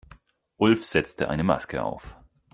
Ulf setzte eine Maske auf.